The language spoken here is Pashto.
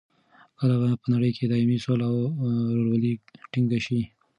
کله به په نړۍ کې دایمي سوله او رورولي ټینګه شي؟